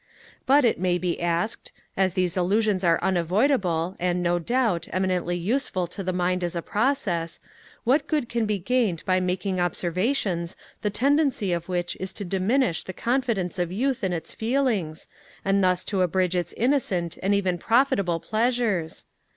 But, it may be asked, as these illusions are unavoidable, and, no doubt, eminently useful to the mind as a process, what good can be gained by making observations, the tendency of which is to diminish the confidence of youth in its feelings, and thus to abridge its innocent and even profitable pleasures?